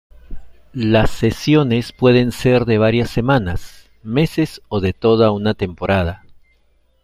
Las cesiones pueden ser de varias semanas, meses o de toda una temporada.